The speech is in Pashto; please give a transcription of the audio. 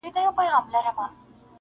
• چي شعر له نثر څخه بېلوي -